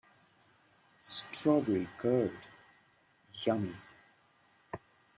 Strawberry curd, yummy!